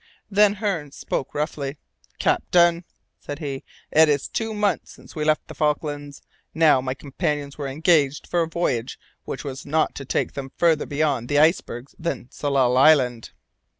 Then Hearne spoke roughly: "Captain," said he, "it's two months since we left the Falklands. Now, my companions were engaged for a voyage which was not to take them farther beyond the icebergs than Tsalal Island."